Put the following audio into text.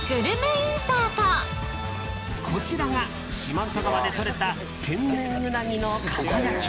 ［こちらが四万十川で取れた天然うなぎのかば焼き］